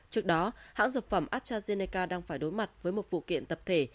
trước đó hãng dược phẩm astrazeneca đang phải đối mặt với một vụ kiện tập thể